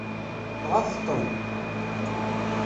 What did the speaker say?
Tɣaḍeḍ-ten?